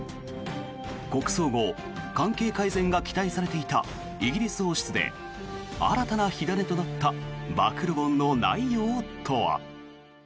国葬後関係改善が期待されていたイギリス王室で新たな火種となった暴露本の内容とは。